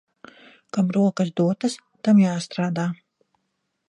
Kam rokas dotas, tam jāstrādā.